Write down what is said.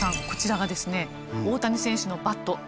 こちらがですね大谷選手のバット。